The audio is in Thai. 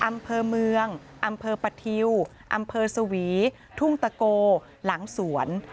อำเภอเมืองอำเภอปะทิวอำเภอสวีทุ่งตะโกหลังสวน